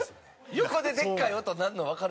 横ででっかい音鳴るのわかるからや。